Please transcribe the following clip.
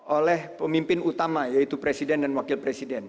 oleh pemimpin utama yaitu presiden dan wakil presiden